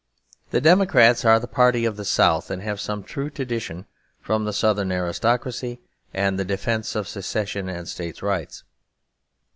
The Democrats are the party of the South and have some true tradition from the Southern aristocracy and the defence of Secession and State Rights.